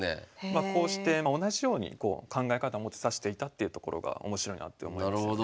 まあこうして同じように考え方持って指していたっていうところが面白いなって思いますよね。